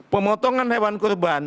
pemotongan hewan korban